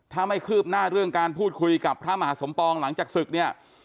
ถ้าไม่คืบหน้าเรื่องการพูดคุยกับพระมหาสมปองหลังจากศึกเนี่ย